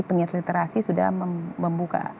penyiar literasi sudah membuka